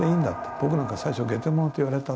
僕なんか最初「げてもの」と言われた。